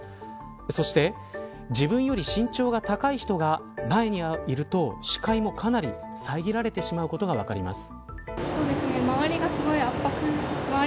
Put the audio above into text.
そして、自分より身長が高い人が前にいると視界もかなり遮られてしまうことが分かります。